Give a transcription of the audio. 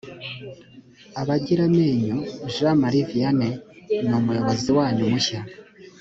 abagiramenyo jean marie vianney ni umuyobozi wanyu mushya